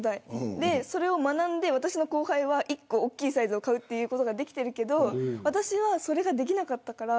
それを学んで私の後輩は１つ大きいサイズを買うことはできているけれど私は、それができなかったから。